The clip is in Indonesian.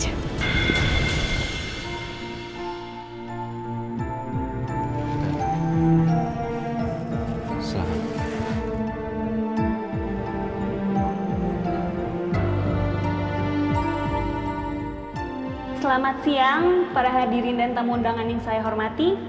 selamat siang para hadirin dan tamu undangan yang saya hormati